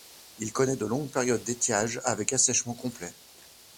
Il connait de longues périodes d'étiage avec assèchement complet.